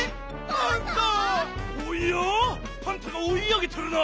パンタがおい上げてるな。